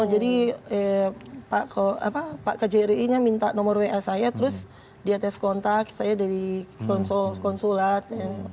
jadi pak kjri nya minta nomor wa saya terus dia tes kontak saya dari konsulat